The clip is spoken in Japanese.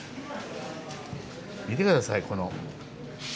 見て下さいこの。